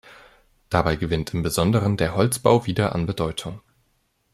Dabei gewinnt im Besonderen der Holzbau wieder an Bedeutung.